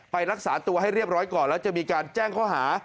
รักษาตัวให้เรียบร้อยก่อนแล้วจะมีการแจ้งข้อหา